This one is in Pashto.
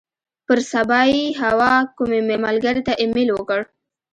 پر سبا یې حوا کومې ملګرې ته ایمیل وکړ.